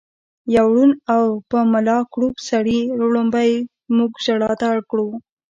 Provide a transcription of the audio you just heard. يو ړوند او په ملا کړوپ سړي ړومبی مونږ ژړا ته اړ کړو